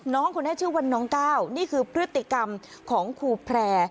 น้องคนนี้ชื่อว่าน้องก้าวนี่คือพฤติกรรมของครูแพร่